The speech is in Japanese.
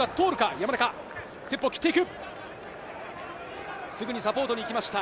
山中、ステップを切っていく。